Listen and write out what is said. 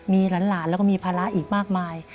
มีหลานแล้วก็มีภาระอีกมากมาย